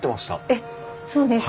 えっそうですか。